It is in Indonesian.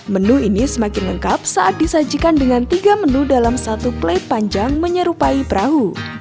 menu ini semakin lengkap saat disajikan dengan tiga menu dalam satu play panjang menyerupai perahu